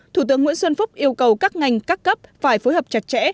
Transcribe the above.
thủ tướng nguyễn xuân phúc yêu cầu các ngành các cấp phải phối hợp chặt chẽ